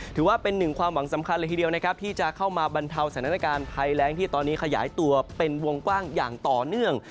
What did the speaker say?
ถือว่าเป็นหนึ่งความหวังสำคัญเลยทีเดียวนะครับที่จะเข้ามาบรรเทาสถานการณ์ภัยแรงที่ตอนนี้ขยายตัวเป็นวงกว้างอย่างต่อเนื่อง